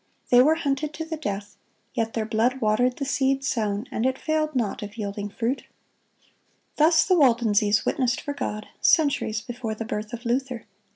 They were hunted to the death; yet their blood watered the seed sown, and it failed not of yielding fruit. Thus the Waldenses witnessed for God, centuries before the birth of Luther.